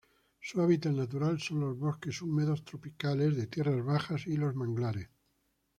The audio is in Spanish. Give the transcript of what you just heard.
Su hábitat natural son los bosques húmedos tropicales de tierras bajas y los manglares.